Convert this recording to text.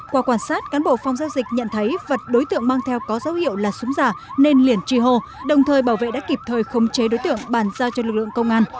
qua quan sát cán bộ phòng giao dịch nhận thấy vật đối tượng mang theo có dấu hiệu là súng giả nên liền trì hô đồng thời bảo vệ đã kịp thời khống chế đối tượng bàn giao cho lực lượng công an